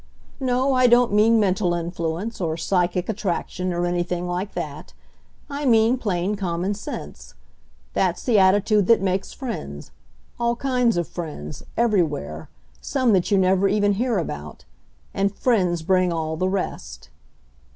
"No, I don't mean mental influence, or psychic attrac tion, or anything like that. I mean plain common sense. That's the attitude that makes friends — all kinds of friends, everywhere, some that you never even hear about — and friends bring all the rest."